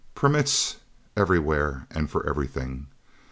Permits everywhere and for everything!